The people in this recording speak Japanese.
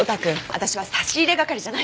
私は差し入れ係じゃないから。